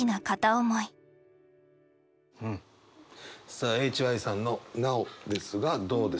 さあＨＹさんの「ＮＡＯ」ですがどうでしょう？